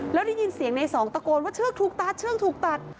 แล้วได้ยินเสียงในสองตะโกนว่าเชือกถูกตัดเชือกถูกตัด